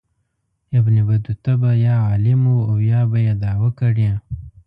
ابن بطوطه به یا عالم و او یا به یې دعوه کړې.